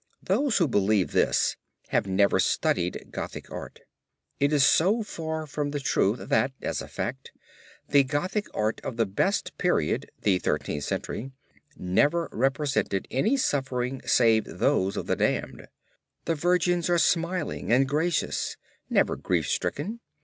Those who believe this have never studied Gothic art. It is so far from the truth that, as a fact, the Gothic art of the best period, the Thirteenth Century, never represented any sufferings save those of the damned. The Virgins are smiling and gracious, never grief stricken.